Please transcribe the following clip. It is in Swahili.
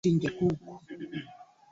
na mia tatu hamsini na nne Kusini